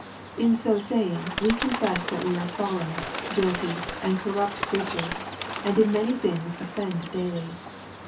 In so saying, we confess that we are fallen, guilty, and corrupt creatures, and in many things offend daily.